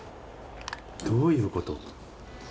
どういうこと？